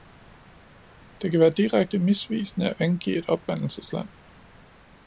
Det kan være direkte misvisende at angive et oprindelsesland.